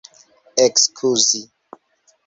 ekskuzi